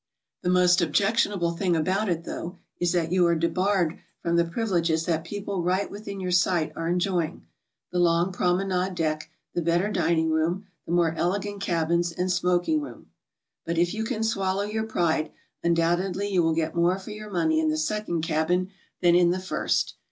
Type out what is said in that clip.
The most objectionable thing about it, though, is that you are debarred from the privileges that people right within your sight are enjoying, the long promenade deck, the better dining room, the more elegant cabins and smok ing room. But if you can swallow your pride, undoubtedly you will get more for your money in the second cabin than in the first.